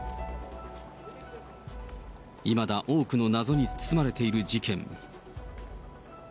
いまだ多くの謎に包まれている事件。